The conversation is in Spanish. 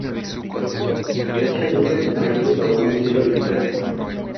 Las fechas de estos conciertos aún no han sido fijadas.